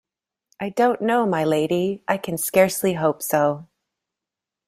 I don't know, my Lady; I can scarcely hope so.